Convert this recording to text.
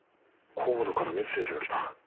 ＣＯＤＥからメッセージが来た。